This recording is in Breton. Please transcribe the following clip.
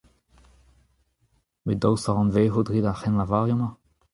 Met daoust hag anavezout a rit ar cʼhrennlavarioù-mañ ?